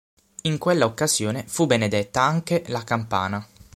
In quella occasione fu benedetta anche la campana.